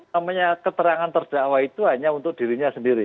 namanya keterangan terdakwa itu hanya untuk dirinya sendiri